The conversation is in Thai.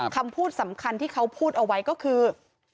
คำพูดสำคัญที่เขาพูดเอาไว้ก็คือ